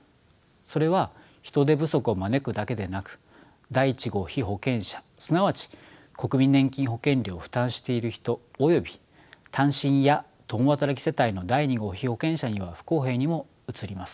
それは人手不足を招くだけでなく第１号被保険者すなわち国民年金保険料を負担している人および単身や共働き世帯の第２号被保険者には不公平にも映ります。